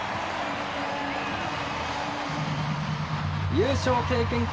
優勝経験国